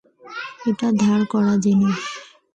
এটা ধার করা জিনিস।